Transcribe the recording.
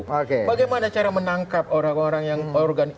bagaimana cara menangkap orang orang yang organik